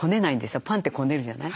パンってこねるじゃない？